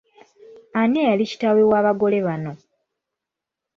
Ani eyali Kitaawe w’Abagole bano?